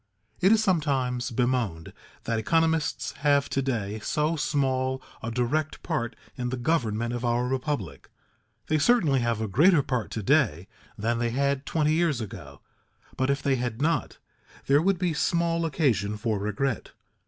It is sometimes bemoaned that economists have to day so small a direct part in the government of our republic. They certainly have a greater part to day than they had twenty years ago, but if they had not, there would be small occasion for regret.